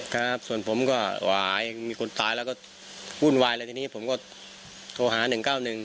ครับส่วนผมก็หวายมีคนตายแล้วก็วุ่นวายเลยทีนี้ผมก็โทรหาหนึ่งเก้าหนึ่ง